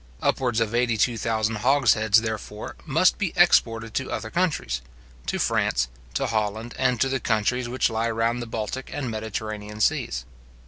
Upwards of eighty two thousand hogsheads, therefore, must be exported to other countries, to France, to Holland, and, to the countries which lie round the Baltic and Mediterranean seas.